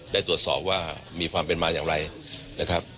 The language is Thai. ได้ตรวจสอบว่ามีความเป็นมาอย่างไรนะครับ